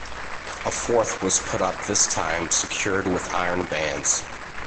A fourth was put up this time secured with iron bands.